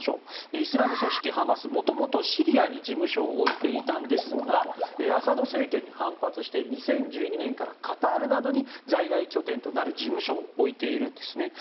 イスラム武装組織ハマスは元々、シリアに事務所を置いていたんですがアサド政権に反発して２０１２年からカタールなどに在外拠点となる事務所を置いているんですね。